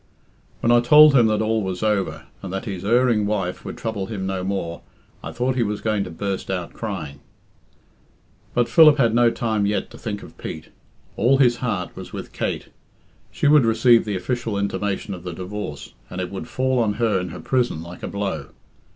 "When I told him that all was over, and that his erring wife would trouble him no more, I thought he was going to burst out crying." But Philip had no time yet to think of Pete. All his heart was with Kate. She would receive the official intimation of the divorce, and it would fall on her in her prison like a blow.